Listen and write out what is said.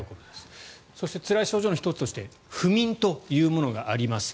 そして、つらい症状の１つとして不眠というものがあります。